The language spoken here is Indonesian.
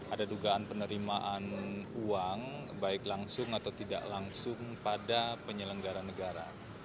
ada dugaan penerimaan uang baik langsung atau tidak langsung pada penyelenggara negara